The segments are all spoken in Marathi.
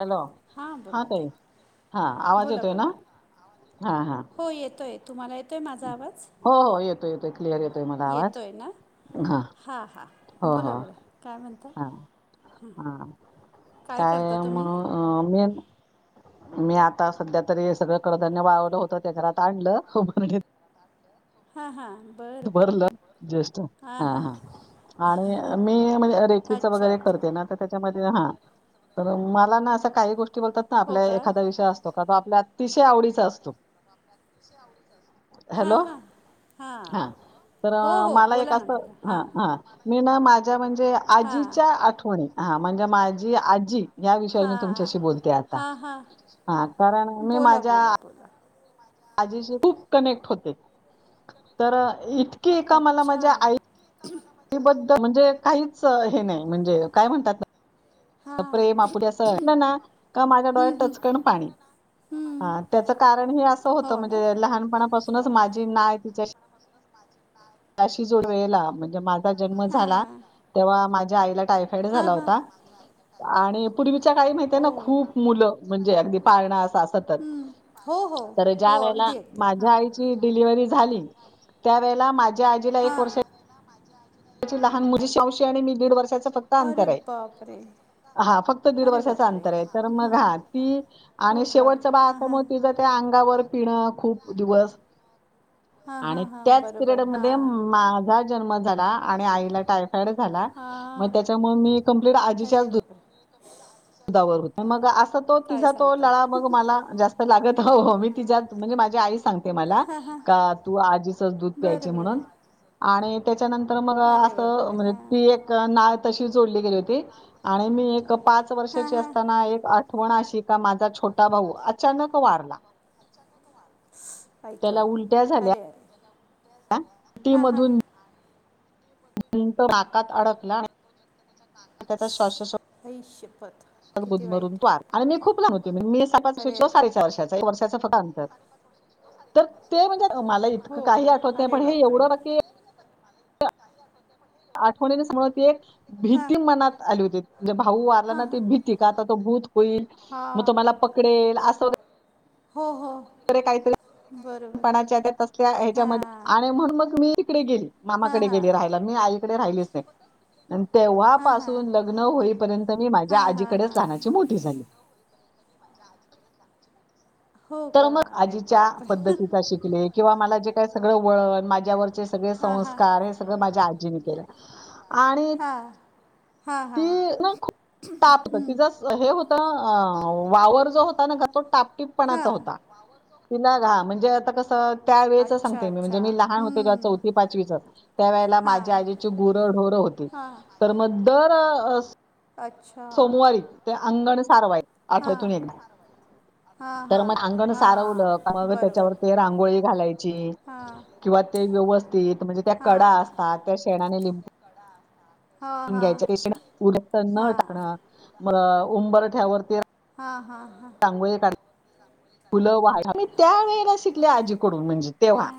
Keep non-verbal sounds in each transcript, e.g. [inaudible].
हॅलो, हां ताई. हां आवाज बोला येतोय ना? बोला हां हां. हो येतोय. तुम्हाला येतोय माझा आवाज? हो हो येतोय येतोय क्लिअर येतोय मला आवाज येतोय ना? हा हा, हो बोला हो बोला. काय म्हणत हा हा, काय करता म्ह तुम्ही अं मी मी आता सध्या तरी सगळं कडधान्य वाळवलं होतं. त्या घरात [unintelligible] हा हां. बरं बरं भरल जस्ट. हा हां हां हा आणि मी म्हणजे रेखेच अच्छा वगैरे अच्छा करते ना त्याच्यामध्ये हं, तर मला ना असं काही गोष्टी बोलतात ना हो आपल्या का एखाद्या विषय अस तो कसा आपल्या अतिशय आवडीचा असतो. हा हॅलो हा. हां, तर हो अ, हो. मला एक बोला ना, असं बोला. हां. मी ना माझ्या म्हणजे हां आजीच्या आठवणी हा म्हणजे माझी आजी, या विषयी मी हां तुमच्याशी बोलते आ ता. हां हां हा, कारण मी बोला माझ्या बोला बोला आजीशी खूप कनेक्ट होते. तर हं, इतकी का, मला अच्छा माझ्या आई [unintelligible] पिढी बद्द म्हणजे काहीच हे नाही म्हणजे काय म्हणतात ना? हां प्रेम, आपुलकी असंल ना का माझ्या डोळ्यात टचकण पाणी हं, हा त्याचं कारण हे असं हो होतं ना म्हणजे अच्छा. लहानपणापासूनच माझी नाळ तिच्याशी तिच्याशी जोडवेला म्हणजे माझा जन्म झाला हां. तेव्हा, माझ्या आईला टायफॉइड हां, झाला हां. होता. आणि पूर्वीच्या काळी माहिती आहे ओ ना खूप म्हणजे अगदी पाळणा असं हा सतत हं. हो, हो. तर हो, ज्या वेळेला अगदी, अगदी. माझ्या हां, आईची डिलिवरी झाली, त्या वळेला माझ्या आजीला एक वर्ष हां. लहान मुलीची मावशी आणि मी दीड वर्षाचा फक्त अरे अंतर आहे. बापरे, हा फक्त दीड अरे वर्षाच बापरे! अंतर आहे, तर मग हा ती आणि हो का? शेवटचा बाळ हां, आता हां. मग तिझं ते आगं आगंवर पिणं खूप दिवस हां, आणि हां, हां. त्याच पिरेड बरोबर. मध्ये हां. माझा जन्म झाला आणि आईला टायफाईड झाला, म हां. त्यामुळे मी कंप्लेंट आजीच्याच अरे दूध बापरे! दुधावर होती, मग असं तो काय तिचा तो सांगता? लळा मग ती मला जास्त लागत, हो- हो मी तिच्यात म्हणजे माझी आई सांग ते मला का तू आज्जीचच दूध प्यायची बरं म्हणून. बरं आणि त्याच्यानंतर मग अरे असं बापरे म्हणजे हां ती एक नाळ तशी जोडली गेली होती, आणि मी एक पाच हां वर्षाची हां असताना एक आठवण अशी का, माझा छोटा भाऊ अचानक वारला. आई गं अरे-अरे, ती मधून [unintelligible] नाकात अडकला त्याचा श्यासो स्वास आई शपथ,,, अन मग किती गुदमरून वाईट तो वारला मी खूप लहान होते, मी साडेपाचं वर्षाची, अरे तो अरे साडे चार अरे वर्षाचा, एक वर्षां फक्त अतंर, त ते म्हणजे मला इतंक हो काही का आठवत नाही अरे पण हे एवढं नक्की का ते आठवत नाही पण? आठवणीनेच मुळात एक भीती मनात आली होती, म्हणजे भाऊ वारला ना ती भीती का आता तो भूत होईल हा, मग तो मला पकडेल असं हो -हो. काहीतरी बरोबर लानपणाच्या त्या तसल्या ह्याच्यामध्ये हां आणि म्हणून मग मी इकडे गेली. हां मामाकडे हां गेली राहायला, मी आईकडे राहिलीच नाही. आणि तेव्हा हां हां पाासून लग्न होई पर्यंत मी, माझ्या हां हां आज्जीकडेच हां लहानाची मोठी झाली. हो तर का मग, अरे आज्जीच्या बापरे पद्धतीचा शिकले किंवा मला जे काय सगळं वळण, माझ्यावरचे सगळे हां हां संस्कार हे सगळं माझ्या आजीनं केलं. आणि हां हां ती हां ना खूप तापट होती तिच हे होत वावर जो होता ना ग तो टाप हा, वावर जो तिला घा म्हणजे आता कसं त्या वेळेच अच्छा सांगते मी म्हणजे अच्छा मी लहान होते, जेव्हा हम्म चौथी- पाचवीचं त्यावेळेला माझ्या आजीची गुरं, ढोरं होती. हा. तर मग दर अस अच्छा सोमवारी ते अंगण सारवाय हां आठवड्यातून एकदा. हां तर हां मग अंगण सारवलं का हां मं बरोबर त्याच्यावर ते रांगोळी घालायची हां किंवा ते व्यवस्थित म्हणजे त्या कडा असतात त्या शेणाने लि कडा घ्यायचे उ न त्यांना हां टाकणं म उंबरठ्यावरती ते रां हा, हा, हा. रांगोळी काढ फुलं वाहयची मी त्या वेळेला शिकले आजीकडून म्हणजे तेव्हा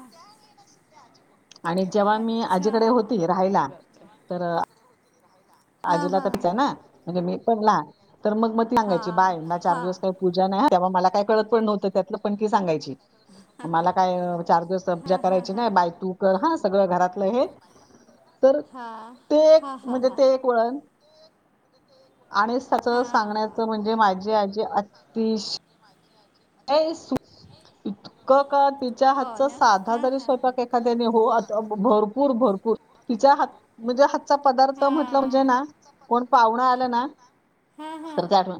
आणि जेव्हा मी अच्छा आजीकडे होती अरे राहायला बापरे तरं अ हां आजीला हां तरचच आहे ना म्हणजे मी पणला तर मग मग त सांगायची हां बाय ना चार हां दिवस काय पूजा नाही तेव्हा मला काय कळत पण नव्हतं त्यातलं पण ती सांगायची. मला काय चार दिवस सब्जा हां हां करायची हां ना बाय तू कर हा सगळं घरातलं हे तर हां हां ते हां हां म्हणजे हां ते वळण आणि सच हा. सांगण्याचं म्हणजे माझी आजी तीस. ये सु इतकं का तिच्या हो हातचा ना साधा हा जरी हा हा. स्वयपाक एखाद्याने हो आता भरपूर भरपूर तिच्या हात म्हणजे हातचा तिच्या पदार्थ म्हटलं म्हणजे हा. ना कोण पाव्हणं आलं ना हा हा तर ते आठवण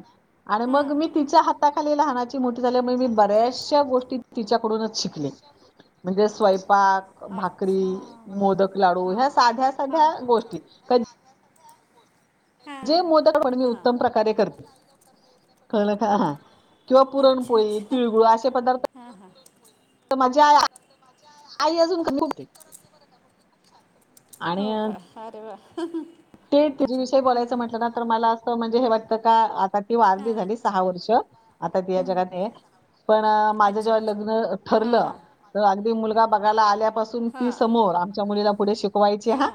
आणि ना मग हां मी तिच्या हाताखाली लहानाची ती मोठी झाल्यामुळे मी बऱ्याचशा गोष्टी तिच्याकडूनच शिकले म्हणजे स्वयंपाक अच्छा भाकरी, मोदक लाडू हां ह्या साध्या हां साध्या हां गोष्टी. क- गोष्टी हां जे मोदक मी हां उत्तम प्रकारे करते कळलं का हा. किंवा करते. अच्छा पुरणपोळी अच्छा तिळगुळ असे पदार्थ हा हा. माझी आई आई अजून. [unintelligible] आणि हो का अरे वा हं हं ते [unintelligible] जी बोलायचं म्हटलं ना तर मला अस म्हणजे हे वाटतं का आता ती वारली हां झाली सहा वर्ष आता ती या हम्म. जगात नाहीय. पण माझं अच्छा जेव्हा अच्छा लग्न हां ठरलं हां त अगदी मुलगा बघायला आल्यापासून तुम ती हां समोर आमच्या मुलीला पुढे शिकवायची हा हां.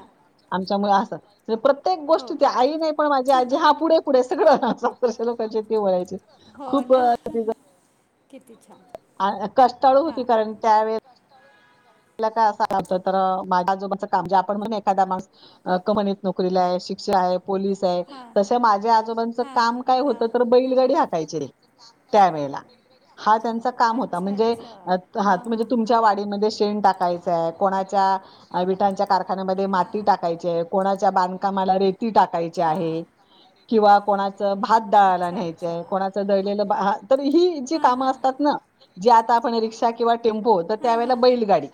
आमच्या मुळे असं म्हणजे प्रत्येक हो गोष्टी ती का आई नाही पण माझी आजी हा पुढे पुढे सगळं [unintelligible] लोकची ती बोलायची हो ना किती छान. अ कष्टाळू हां होती कारण त्यावेळे ला काय असं म्हणतो तर, माझं आजोबाचं काम जे आपण म्हणून एखादा माणुस अ कमानीत नोकरीला आहे शिक्षक आहे पोलीस चय तसं माझ्या आजोबांच कामं काय होत तर बैलगाडी हातायची. त्या वेळेला हा त्यांचा ती काम होता अच्छा म्हणजे अच्छा म्हणजे हां हां तुमच्या वाडीमध्ये चेन टाकायचाय कोणाच्या विठांच्या कारखान्यामध्ये माती टाकायचीय. कोणाच्या बांधकामाला रेती टाकायची आहे किंवा कोणा च भात दाळायला अच्छा न्यायंचाय कोणाचं दळलेलं भात तर ही जी हां कामं असतात ना. जे आता आपण रिक्षा किंवा टेम्पो तर हां त्यावेेळेला हां बैलगाडी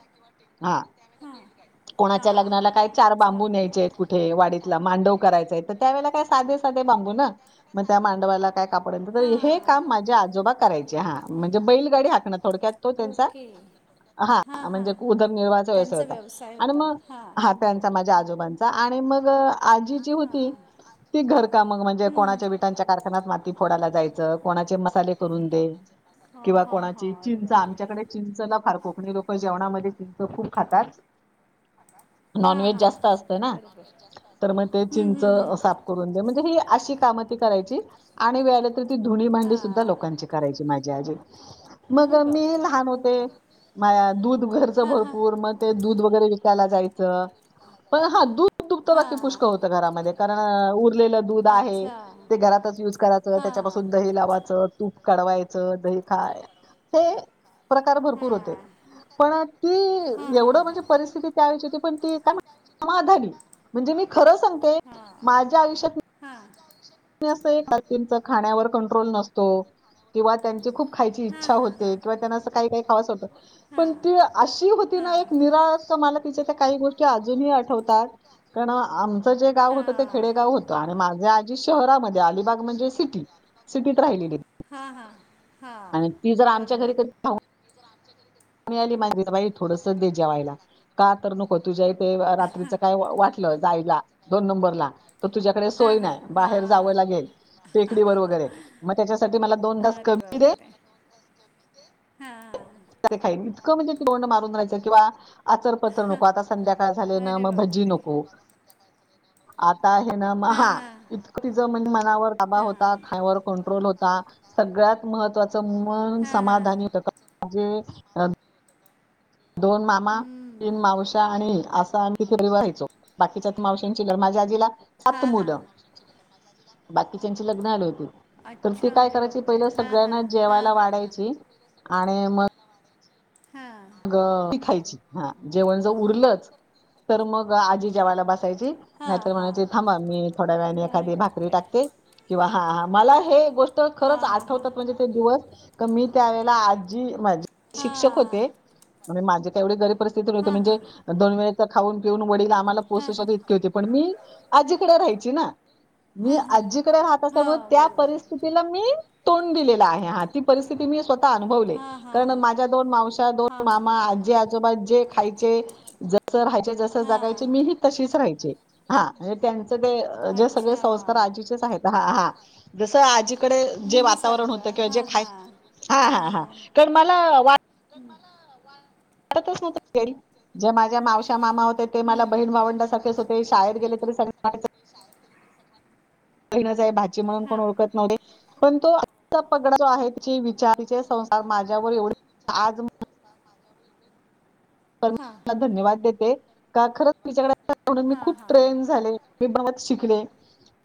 हा. हां गाडी कोणाच्या हां लग्नाला काय हां चार अच्छा बांबू न्यायचे आहेत. कुठे वाडीतला मांडव करायचाय तर त्यावेळेला काही साधे साधे बांबू ना. मग त्या मांडवाला काय कापडेल साधे तर हे काम माझे आजोबा करायचे हां म्हणजे बैलगाडी हाकणं थोडक्यात तो त्यांचा हा. हां हां म्हणजे उदरनिर्वाहचा व्यवसाय त्यांचा होता आणि होता मग हा हां त्यांचा बरोबर माझ्या हां आजोबांचा. हा आणि मग आज्जी जी होती. हां ती घर कामं मग म्हणजे हम्म कोणाच्या विटांच्या कारखान्यात माती फोडायला जायचं कोणाचे मसाले करून दे. हा किंवा हा कोणाची हा अरे चींच बापरे आमच्याकडे चिंच ना फार कोकणी लोक जेवणामध्ये चिंच खूप खातात. हां नॉनव्हेज जास्त असतं हां ना बरोबर तर मग ते हम्म चिंच हम्म हम्म असं आप करून दे म्हणजे ही अशी कामं ती करायची आणि वेळाला तर ती धुणी भांडी सुद्धा हां लोकांची करायची माझी आजी मग अरे मी बापरे लहान हो होते का मळ्यात दूध घरचं हां हां भरपूर मग ते दूध वगैरे विकायला जायचं पण हा दूध दुभतं बाकी हां पुष्कर होतं घरामध्ये कारण उरलेलं दूध आहे अच्छा ते घरातच युज कराचं हां त्याच्यापासून दही लावाचं. तुप काढवायचं दही खाय हे प्रकार भरपूर होते. हां पण ती हा हा एवढं हा म्हणजे परिस्थिती त्या वेळेची होती पण ती काय म माधवी म्हणजे मी खरं सांग हा खरं सांग नी असं एखादींचा खाण्यावर कंट्रोल नसतो किंवा त्यांचे खुप खायची हा हा इच्छा हा होते किंवा त्यांना असं काही काही खावसं होतं. हा हा पण ती अशी होती ना एक निराळंच का मला तिच्या त्या काही गोष्टी अजुनही आठवतात. क ना आमचं जे गाव हा होतं ते खेडेगाव होतं आणि माझ्या आ जी शहरामध्ये अलिबाग म्हणजे सिटी सिटीत राहिलेली. हा हा हा आणि ती जर आमच्या बरं घरी बरं क मी आली [inaudible] बाई थोडंसच दे जेवायला. का तर नको तुझ्या इथे हां रात्रीचं काय वा वाटलं जायला दोन नंबरला तर तुझ्याकडे हां सोय हां नाय बाहेर हां जावं लागेल हां टेकडीवर वगैरे म त्याच्यासाठी मला दोन घास अरे कमी दे बापरे. हा हा हा ते खाईन इतकं म्हणजे तोंड मारून राहायचं किंवा आचर पचर हां नको आता संध्याकाळ झाले ना अरे म भजी बापरे नको आता हे ना म हां हा. हां इतकं तिजं म्हणजे मनावर ताबा हां होता खाण्यावर कंट्रोल होता. सगळ्यात महत्वाचं मन हां हां समाधानी होतं का म्हणजे अ दोन मामा तीन हम्म. मावश्या आणि असा आम्ही [inaudible] राहायचो बाकीच्या ती मावशांची घरं माझ्या आजीला हा सात हा मुलं बाकीच्यांची लग्न आली होती. तर ती अच्छा काय अरे करायची बापरे पहिलं हा हा सगळ्यांना हा जेवायला हा वाढायची आणि मग हा ग ती खायची हा जेवण जर उरलंच तर मग आजी जेवाला बसायची हा नायतर हा हा म्हणायची थांबा मी थोड्या वेळाने अरे एखादी भाकरी बापरे टाकते किंवा हा हा मला हे गोष् ट हा खरंच हा हा आठवतात म्हणजे ते दिवस क मी त्यावेेळेला आजी माझी हा शिक्षक होते. म्हणे माझी काय एवढी गरीब परिस्थिती नव्हती हा म्हणजे दोन वेळेचं खाऊन पिऊन वडील आम्हाला हा पोसु हा शकेल इतके होते पण मी आज्जीकडे राहायची ना. मी हां हां आज्जीकडे राहत असल्यामुळे हां त्या बरोबर परिस्थितीला मी तोंड दिलेलं आहे हा ती परिस्थिती मी स्वतः अनुभवले हां हां करण माझ्या दोन मावश्या दोन हां हां आज्जी आजोबा जे खायचे जसं राहायचे जसं हां जगायचे मी ही तशीच राहायचे. हा हे त्यांचं ते जे सगळे अच्छा संस्कार आज्जीचेच आहेत हा हा जसं आजी कडे जे वातावरण होतं मुलीसारखं किंवा जे हां खाय हां हा हा हा कारण मला वाट ते मला वा वाटतच नव्हतं [unintelligible] जे माझ्या मावश्या, मामा होते ते मला हां बहीण भावंड सारखेच होते शाळेत गेले तरी [unintelligible] [unintelligible] बहीण च आहे, भाची म्हणुन कोण हां ओळखत नव्हते पण तो चा पगडा जो आहे तिचे विचार, तीचे संस्कार माझ्यावर एवढे आज [unintelligible] तर मी हां ला धन्यवाद देते का खरंच तिच्याकडे [unintelligible] म्हणून मी हा खूप हा ट्रेन झाले. मी बघत शिकले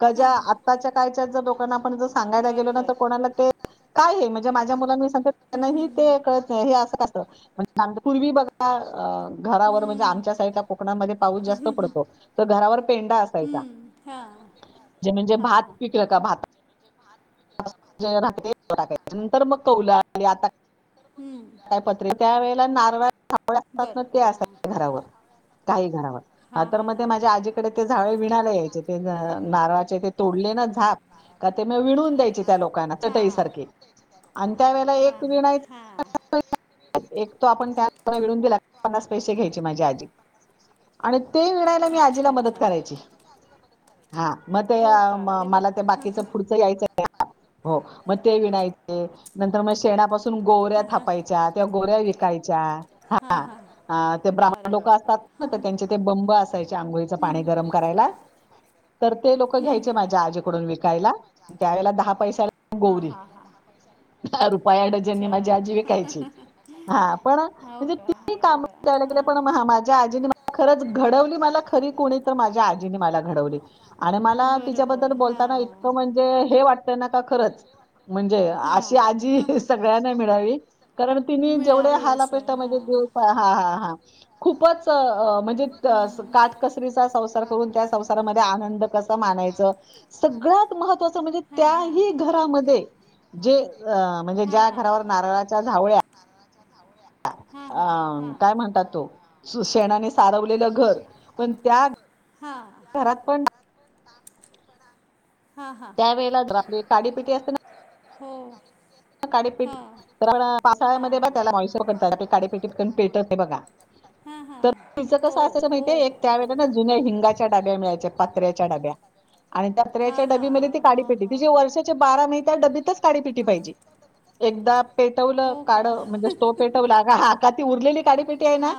क हा जा हा आत्ताच्या काळच्या जर लोकांना आपण ज सांगायला गेलो बरं ना बर तर कोणाला ते काय हे म्हणजे माझ्या मुलांना मी सांगते त्यांना ही ते हम्म कळत हे असं का असतं म्हण [unintelligible] पूर्वी बघा आ घरावर म्हणजे हम्म आमच्या साईडला कोकणामध्ये पाऊस जास्त हम्म पडतो तर घरावर पेंडा असायचा, हम्म हा जे म्हणजे हा भात हा पिकलं का भात [unintelligible] नंतर मग कौल आली आता हम्म. [unintelligible] काय पत्रे त्या वेळेला नारळाच्या झावळ्या असतात ना बरं ते बरं असायचे घरावर काही घरावर हा हां तर हां मग ते हां माझ्या आजीकडे ते हां झाळे हां विणायला यायचे, ते नारळाचे ते तोडले ना झाप, का ते म विनुन द्यायचे त्या लोकांना हां चटईसारखी आणि त्यावेळेला एक हां हां विणायच हां [unintelligible] एक तो आपण त्यात विणून दिला पन्नास पैसे घ्यायची माझी आजी आणि ते विनायला माझी आजी मी अच्छा आजीला मदत अच्छा करायची, हा म ते हो का अरे वा मला ते बाकीच फुडच [unintelligible] हो म ते विनायचे नंतर मग शेनापासून गोऱ्या हां हां थापायच्या, त्या गोऱ्या विकायच्या हां हा हां. अ ते ब्राह्मण अरे लोकं असतात ना बापरे तर त्यांचे ते बंब असायचे आंघोळीचं पाणी गरम करायला तर ते लोक घ्यायचे माझ्या आजीकडून विकायला त्यावेळेला दहा पैशाला हा गोवरी हा हा. रुपया डजन माझी आजी विकायची, हा पण हो म्हणजे का किती अरे काम वा त्यावेळेला केले पण म हा [unintelligible] माझ्या आजीने खरच घडवली मला खरी कोणी तर माझ्या आजीने मला घडवली. आणि मला बरं तिच्याबद्दल बरं हा बोलताना इतकं म्हणजे हे वाटत ना का खरंच म्हणजे हा अशी हा आजी हा सगळ्यांना मिळावी, कारण तिने जेवढे मिळावी हाल अपे असं कष्टा हा मध्ये दिवस हा हा हा खूपच म्हणजे अस हम्म काट कसरीचा संसार करून, त्या संसारामध्ये आनंद कसा मानायच सगळ्यात महत्त्वाचं म्हणजे हा त्या हा ही घरामध्ये जे अ म्हणजे ज्या घरावर नारळाच्या झावळ्या हा अ हा हा काय म्हणतात तो, सु शेणाने सारवलेलं घर पण त्या हां. घरात पण हा हा त्यावेळेला तर अपली एक काडीपिटी असते ना हो. काडीपेटी हां तर आपण पावसाळ्यामध्ये बघा हां. त्याला मॉइस्चर पकडतात आपली काडीपेटी पण पेटत नाही हा हा हा अस हो. हो माहितीय हो एक त्या हो. वेळेला ना हिंगाच्या डब्या मिळायच्या, पात्र्याच्या डब्या आणि पात्र्याच्या पत्र्याच्या हां डबीमध्ये ती हां हां काडीपेटी तिजी हां हां. वर्षाचे बारा महिने त्या डबीतच काडीपेटी पाहिजे एकदा व्हायची. पेटवलं हो का? एकदा काढं म्हणजे स्टो पेटवला हका ती उरलेली काडी पेटी आहे ना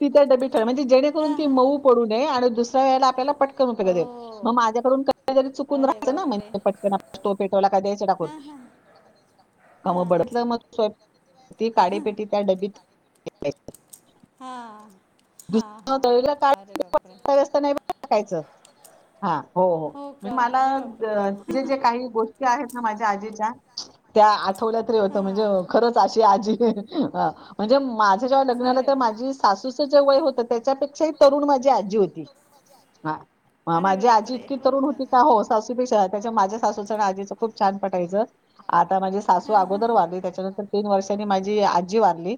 तिथ डबी ठेव म्हणजे हां जेणेकरून हां. ती मऊ पडू नये आणि दुसऱ्याेळेला आपल्याला पटकन उपयेगत येईल. हो. मग माझ्याकडून कधीतरी चुकून मिळेल. अरे राहातं ना बापरे! म्हणजे पटकन आपला स्टो पेटवला का द्यायच टाकून. हां हां खम हां. बडतलं मग स्वय ती काडीपेटी त्या डबीत ठेवायची. हां हा दुसरं हां हां अरे बापरे. टाकायच हा हो म का मला अरे बापरे जे जे काही गोष्ट ती आहेत ना माझ्या आजीच्या त्या आठवल्या तरी होत म्हणजे हां खंरच त्या शिवाय आजी म्हणजे माझे जेव्हा लग्न खरं तेंव्हा आहे माझी सासूच वय होत त्याच्यापेक्षा तरुण माझी आजी होती हा. अरे माझी आजी बापरे इतकी हो तरुण होती का हो सासू पेक्षा त्याच्या माझ्या सासुच आणि आजीचं खूप छान पटायचं आता माझी सासू हां हां अगोदर हां वारली त्याच्यानंतर तीन वर्षांनी माझी आजी वारली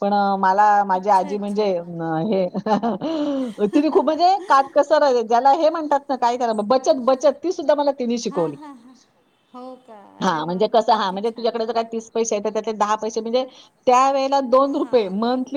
पण मला माझी अच्छा आजी म्हणजे अच्छा हे तिनी खूप म्हणजे काटकसर ज्याला हे म्हणतात ना काय करा बचत बचत ती सुद्धा मला तिने हा शिकवली. हा हा हो का अरे हां, वा म्हणजे कसं हां, किती म्हणजे छान. तुझ्याकडे जर काय पैसे आहेत तर त्यातले दहा पैसे म्हणजे त्यावेळेला दोन हा रुपये मंतली